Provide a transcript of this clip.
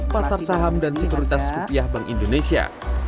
pasar saham dan sekuritas rupiah bank indonesia